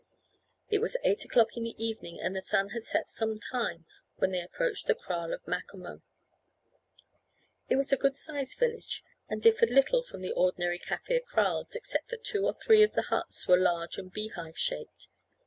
It was eight o'clock in the evening, and the sun had set some time, when they approached the kraal of Macomo. It was a good sized village, and differed little from the ordinary Kaffir kraals except that two or three of the huts were large and beehive shaped.